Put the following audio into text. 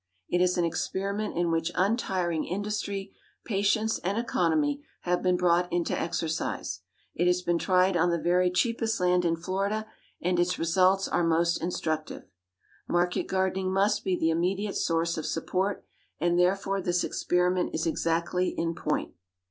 It is an experiment in which untiring industry, patience, and economy have been brought into exercise. It has been tried on the very cheapest land in Florida, and its results are most instructive. Market gardening must be the immediate source of support; and therefore this experiment is exactly in point.